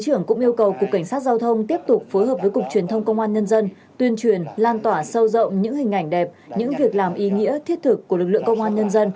bộ trưởng cũng yêu cầu cục cảnh sát giao thông tiếp tục phối hợp với cục truyền thông công an nhân dân tuyên truyền lan tỏa sâu rộng những hình ảnh đẹp những việc làm ý nghĩa thiết thực của lực lượng công an nhân dân